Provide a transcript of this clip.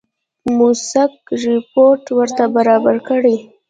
موثق رپوټ ورته برابر کړي.